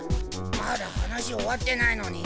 まだ話終わってないのに。